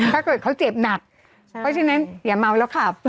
ถ้าเกิดเขาเจ็บหนักเพราะฉะนั้นอย่าเมาแล้วขับ